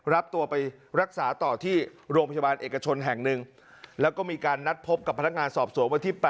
รับตัวไปรักษาต่อที่โรงพยาบาลเอกชนแห่งหนึ่งแล้วก็มีการนัดพบกับพนักงานสอบสวนวันที่๘